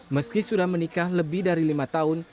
meski sudah menikah lebih dari lima tahun